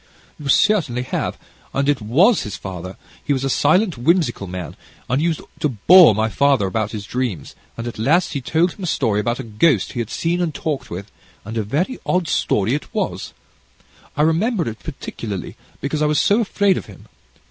"You certainly have, and it was his father: he was a silent, whimsical man, and he used to bore my father about his dreams, and at last he told him a story about a ghost he had seen and talked with, and a very odd story it was. I remember it particularly, because I was so afraid of him.